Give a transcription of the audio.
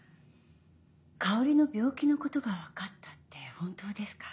香織の病気のことが分かったって本当ですか？